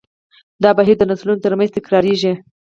دا بهیر د نسلونو تر منځ تکراریږي.